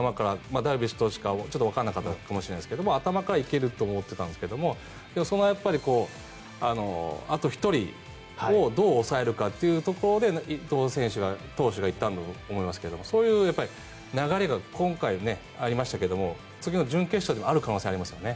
ダルビッシュ投手かわからないですが頭から行けると思ってたんですがあと１人をどう抑えるかというところで伊藤投手が行ったんだと思いますがそういう流れが今回、ありましたけど次の準決勝でもある可能性ありますよね。